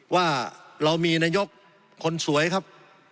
ว่าเรามีนายกคนสวยครับ